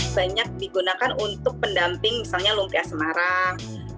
banyak digunakan untuk pendamping misalnya lumpia semarang